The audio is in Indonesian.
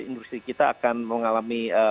industri kita akan mengalami